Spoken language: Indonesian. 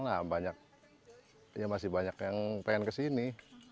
soalnya sayanglah masih banyak yang pengen ke sini